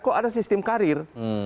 kok ada sistem karir